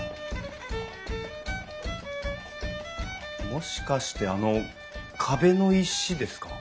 もしかしてあの壁の石ですか？